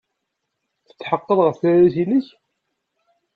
Tetḥeqqeḍ ɣef tririt-nnek?